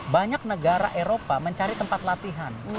banyak negara eropa mencari tempat latihan